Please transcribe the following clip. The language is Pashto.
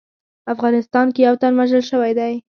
افغانستان کې یو تن وژل شوی دی